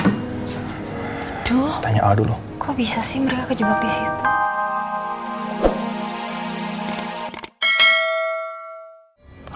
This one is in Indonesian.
kok bisa sih mereka terjebak di situ